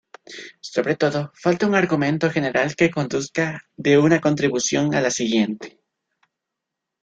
Sobre todo falta un argumento general que conduzca de una contribución a la siguiente.